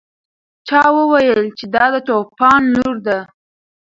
چا وویل چې دا د چوپان لور ده.